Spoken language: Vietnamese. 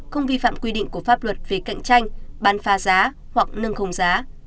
không vi phạm quy định của pháp luật về cạnh tranh bán phá giá hoặc nâng không giá